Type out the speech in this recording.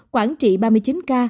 quảng trị ba mươi chín ca